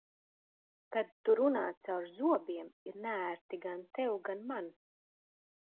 Kad tu runā caur zobiem, ir neērti gan tev, gan man.